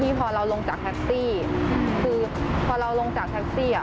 พอเราลงจากแท็กซี่คือพอเราลงจากแท็กซี่อ่ะ